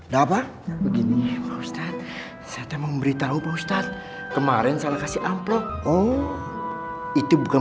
bapak begini ustadz saya memberitahu pak ustadz kemarin salah kasih amplop oh itu bukan